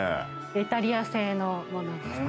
イタリア製のものです。